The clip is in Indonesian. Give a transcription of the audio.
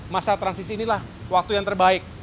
masa transisi inilah waktu yang terbaik